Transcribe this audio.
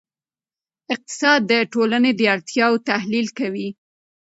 اقتصاد د ټولنې د اړتیاوو تحلیل کوي.